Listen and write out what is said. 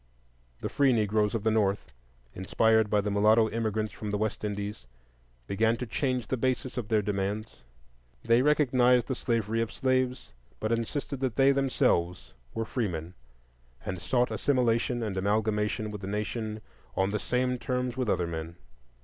The free Negroes of the North, inspired by the mulatto immigrants from the West Indies, began to change the basis of their demands; they recognized the slavery of slaves, but insisted that they themselves were freemen, and sought assimilation and amalgamation with the nation on the same terms with other men.